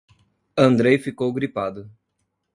Andrej ficou gripado.